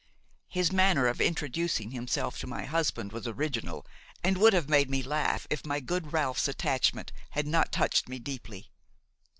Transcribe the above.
His manner of introducing himself to my husband was original, and would have made me laugh if my good Ralph's attachment had not touched me deeply.